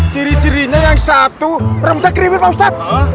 ciri cirinya yang satu rempah krimir pak ustad